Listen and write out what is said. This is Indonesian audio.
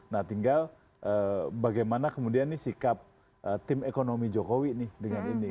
nah tinggal bagaimana kemudian nih sikap tim ekonomi jokowi nih dengan ini